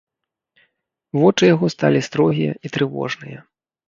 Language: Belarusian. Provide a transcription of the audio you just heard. Вочы яго сталі строгія і трывожныя.